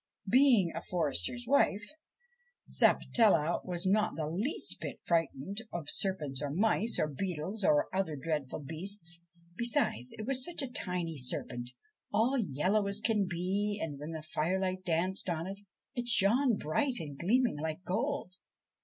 Being a forester's wife, Sapatella was not the least bit frightened of serpents or mice or beetles or other dreadful beasts ; besides, it was such a tiny serpent, all yellow as can be ; and, when the firelight danced on it, it shone bright and gleaming like gold.